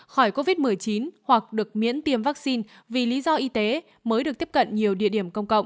khỏi covid một mươi chín hoặc được miễn tiêm vaccine vì lý do y tế mới được tiếp cận nhiều địa điểm công cộng